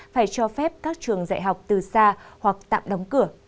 phải cho phép các trường dạy học từ xa hoặc tạm đóng cửa